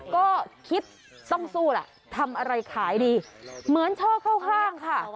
ก็คิดต้องสู้ล่ะทำอะไรขายดีเหมือนช่อเข้าข้างค่ะ